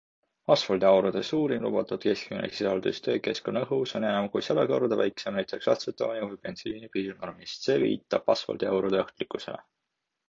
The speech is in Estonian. Asfaldiaurude suurim lubatud keskmine sisaldus töökeskkonna õhus on enam kui sada korda väiksem näiteks atsetooni või bensiini piirnormist - see viitab asfaldiaurude ohtlikkusele.